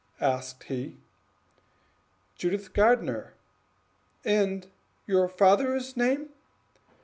asked he. "Judith Gardenier." "And your father's name?"